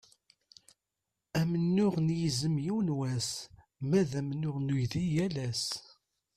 Amennuɣ n yizem yiwen wass, ma d amennuɣ n uydi yal ass.